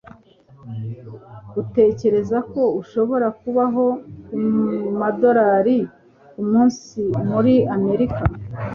Utekereza ko ushobora kubaho ku madorari kumunsi muri Amerika?